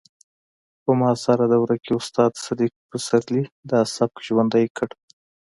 په معاصره دوره کې استاد صدیق پسرلي دا سبک ژوندی کړ